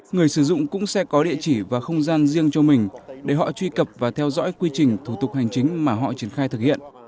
người sử dụng cũng sẽ có địa chỉ và không gian riêng cho mình để họ truy cập và theo dõi quy trình thủ tục hành chính mà họ triển khai thực hiện